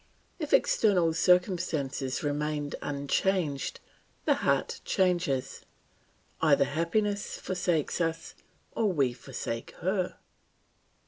If external circumstances remain unchanged, the heart changes; either happiness forsakes us, or we forsake her.